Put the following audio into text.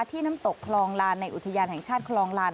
น้ำตกคลองลานในอุทยานแห่งชาติคลองลาน